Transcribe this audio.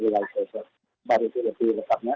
baik saya sudah baru terlebih lepasnya